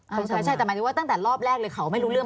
สงสัยใช่แต่หมายถึงว่าตั้งแต่รอบแรกเลยเขาไม่รู้เรื่อง